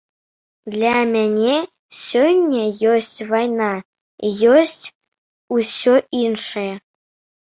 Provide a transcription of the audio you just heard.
Для мяне сёння ёсць вайна і ёсць усё іншае.